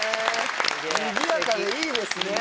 にぎやかでいいですね。